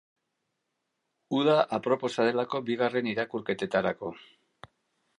Uda aproposa delako bigarren irakurketetarako.